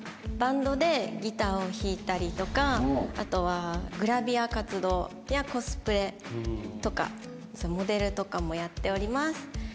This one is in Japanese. バンドでギターを弾いたりとかあとはグラビア活動やコスプレとかモデルとかもやっております。